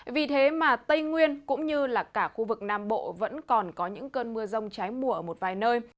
vì thế mà tây nguyên cũng như là cả khu vực nam bộ vẫn còn có những cơn mưa rông trái mùa ở một vài nơi